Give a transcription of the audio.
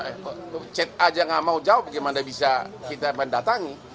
boroboro dia chat aja gak mau jawab bagaimana bisa kita mendatangi